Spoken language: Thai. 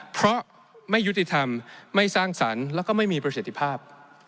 เพราะไม่ยุติธรรมไม่สร้างสรรค์แล้วก็ไม่มีประสิทธิภาพ